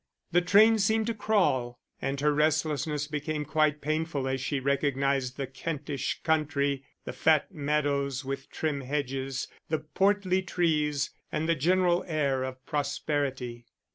The train seemed to crawl; and her restlessness became quite painful as she recognized the Kentish country, the fat meadows with trim hedges, the portly trees, and the general air of prosperity.